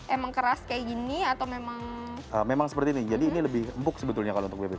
emang keras kayak gini atau memang memang seperti ini jadi ini lebih empuk sebetulnya kalau untuk bebek